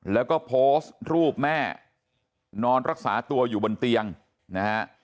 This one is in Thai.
แล้วก็โพสต์รูปแม่นอนรักษาตัวอยู่บนเตียงนะฮะ